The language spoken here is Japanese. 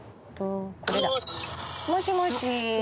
もしもし。